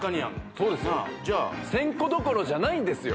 そうですよじゃあ１０００個どころじゃないんですよ